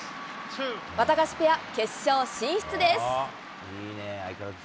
ワタガシペア、決勝進出です。